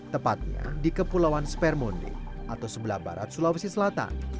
tepatnya di kepulauan spermonde atau sebelah barat sulawesi selatan